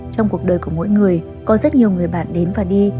trong cuộc đời của mỗi người có rất nhiều người bạn đến và đi